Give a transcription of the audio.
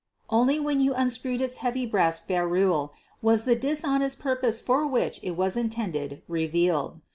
Only when you unscrewed its heavy brass ferrule was the dishonest purpose for which it was intended revealed.